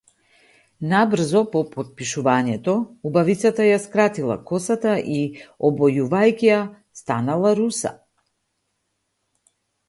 Набрзо по потпишувањето, убавицата ја скратила косата и обојувајќи ја станала руса.